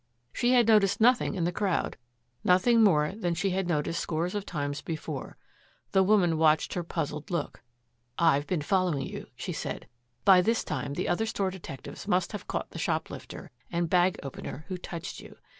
She had noticed nothing in the crowd, nothing more than she had noticed scores of times before. The woman watched her puzzled look. "I've been following you," she said. "By this time the other store detectives must have caught the shoplifter and bag opener who touched you.